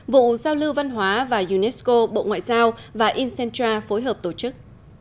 vụ giao lưu văn hóa và unesco bộ ngoại giao và incentra phối hợp tổ chức